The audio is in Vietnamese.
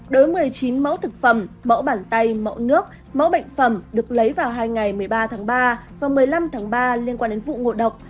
đối một mươi chín mẫu thực phẩm mẫu bàn tay mẫu nước mẫu bệnh phẩm được lấy vào hai ngày một mươi ba tháng ba và một mươi năm tháng ba liên quan đến vụ ngộ độc